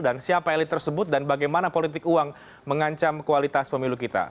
dan siapa elit tersebut dan bagaimana politik uang mengancam kualitas pemilu kita